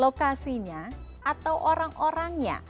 lokasinya atau orang orangnya